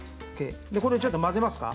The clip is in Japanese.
ちょっと混ぜますか。